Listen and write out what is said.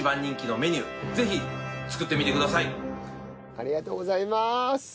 ありがとうございます！